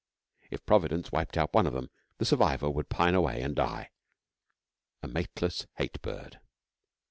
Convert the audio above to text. If Providence wiped out one of them, the survivor would pine away and die a mateless hate bird.